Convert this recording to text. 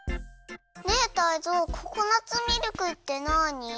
ねえタイゾウココナツミルクってなに？